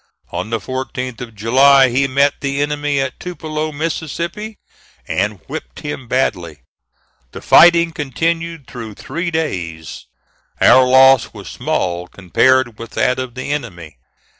On the 14th of July, he met the enemy at Tupelo, Mississippi, and whipped him badly. The fighting continued through three days. Our loss was small compared with that of the enemy.